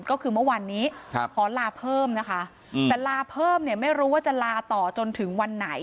ก็คือเมื่อวานนี้ขอลาเพิ่มนะคะแต่ลาเพิ่มเนี่ยไม่รู้ว่าจะลาต่อจนถึงวันไหน